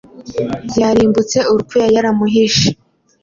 Yarimbutse urupfu yari yaramuhishe